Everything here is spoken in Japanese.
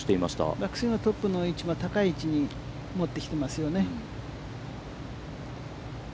トップスイングの位置も高い位置に持ってきていますよね。